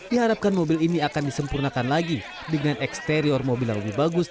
diharapkan mobil ini akan disempurnakan lagi dengan eksterior mobil yang lebih bagus